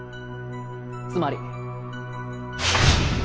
つまり。